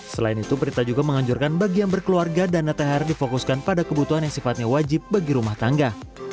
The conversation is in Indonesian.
selain itu prita juga menganjurkan bagi yang berkeluarga dana thr difokuskan pada kebutuhan yang sifatnya wajib bagi rumah tangga